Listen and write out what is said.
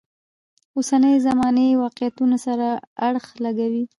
اوسنۍ زمانې واقعیتونو سره اړخ لګوي.